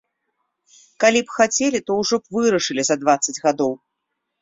Калі б хацелі, то ўжо б вырашылі за дваццаць гадоў.